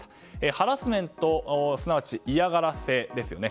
ハラスメントすなわち嫌がらせですよね。